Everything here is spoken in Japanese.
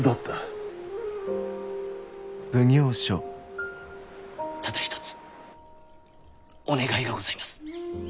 ただ一つお願いがございます。